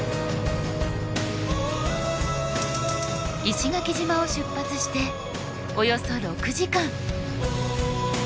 石垣島を出発しておよそ６時間。